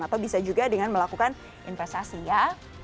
atau bisa juga dengan melakukan investasi ya